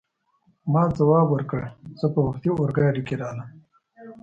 ما ځواب ورکړ: زه په وختي اورګاډي کې راغلم.